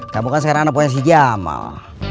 kamu kan sekarang anak pokoknya si jamal